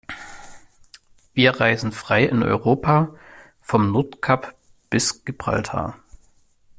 Wir reisen frei in Europa, vom Nordkap bis Gibraltar.